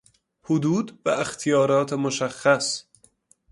حدود و اختیارات مشخص